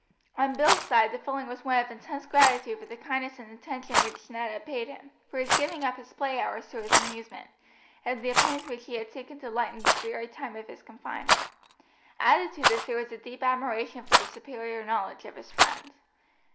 On Bill's side the feeling was one of intense gratitude for the kindness and attention which Ned had paid him, for his giving up his play hours to his amusement, and the pains which he had taken to lighten the dreary time of his confinement. Added to this there was a deep admiration for the superior knowledge of his friend.